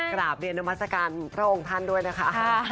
กราบเรียนนามัศกาลพระองค์ท่านด้วยนะคะ